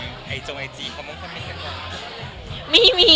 มันคิดว่าจะเป็นรายการหรือไม่มี